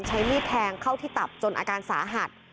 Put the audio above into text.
ใช้มีดแทงเข้าที่ตับจนอาการสาหัส